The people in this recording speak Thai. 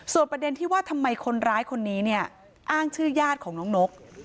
ประเด็นที่ว่าทำไมคนร้ายคนนี้เนี่ยอ้างชื่อญาติของน้องนก